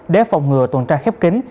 để phòng ngừa tuần tra khép kính